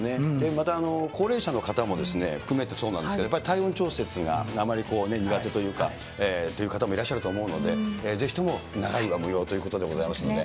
また高齢者の方も含めてそうなんですけど、やっぱり体温調節がなかなか苦手というか、っていう方もいらっしゃると思うので、ぜひとも長居は無用ということでございますんで。